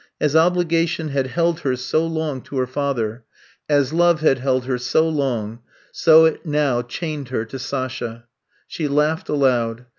As obligation had held her so long to her father, as love had held her 166 I'VE COME TO STAT so long, so it now chained her to Sasha. She laughed aloud.